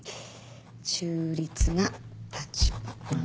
「中立な立場」。